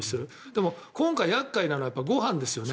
でも、今回厄介なのはご飯ですよね。